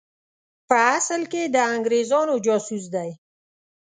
په اصل کې د انګرېزانو جاسوس دی.